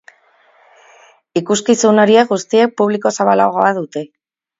Ikuskizun horiek guztiek publiko zabalagoa dute.